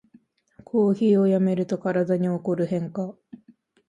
コーヒーをやめると体に起こる変化